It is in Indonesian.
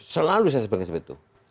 selalu saya sebutkan seperti itu